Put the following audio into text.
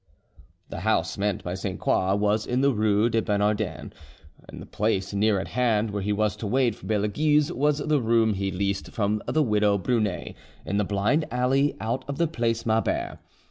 The house meant by Sainte Croix was in the rue des Bernardins, and the place near at hand where he was to wait for Belleguise was the room he leased from the widow Brunet, in the blind alley out of the Place Maubert.